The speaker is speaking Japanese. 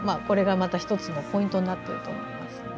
これがまた１つのポイントになっていると思います。